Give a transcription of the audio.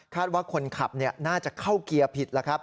คาดว่าคนขับน่าจะเข้าเกียร์ผิด